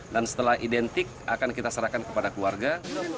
dan setelah identik akan kita serahkan kepada keluarga